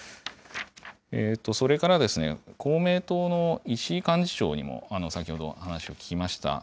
それから公明党の石井幹事長にも先ほど話を聞きました。